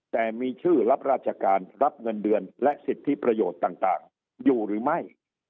แต่มีชื่อรับราชการรับเงินเดือนและสิทธิประโยชน์ต่างอยู่หรือไม่